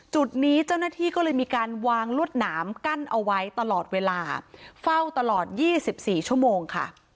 จุดนี้เจ้าหน้าที่ก็เลยมีการวางลวดหนามกั้นเอาไว้ตลอดเวลาเฝ้าตลอด๒๔ชั่วโมงค่ะ